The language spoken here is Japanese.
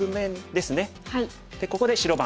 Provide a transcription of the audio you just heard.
ここで白番。